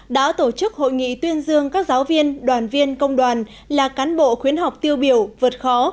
đã tổ chức hội nghị tuyên dương các giáo viên đoàn viên công đoàn là cán bộ khuyến học tiêu biểu vượt khó